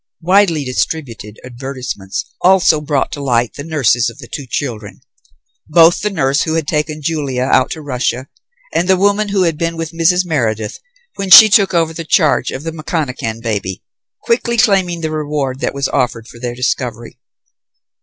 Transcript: Widely distributed advertisements also brought to light the nurses of the two children; both the nurse who had taken Julia out to Russia and the woman who had been with Mrs. Meredith when she took over the charge of the McConachan baby, quickly claiming the reward that was offered for their discovery.